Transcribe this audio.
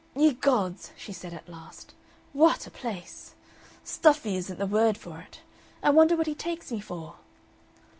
"Ye Gods!" she said at last. "WHAT a place! "Stuffy isn't the word for it. "I wonder what he takes me for?"